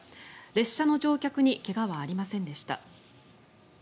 列車の乗客に怪我はありませんでした。